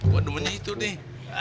gue demennya itu nih